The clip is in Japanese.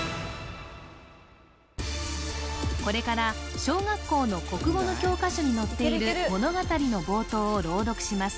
これから小学校の国語の教科書に載っている物語の冒頭を朗読します